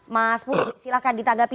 mas puri silahkan ditanggapi